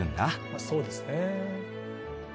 まあそうですねえ。